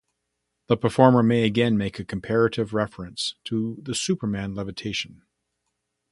The performer may again make a comparative reference to the Superman levitation.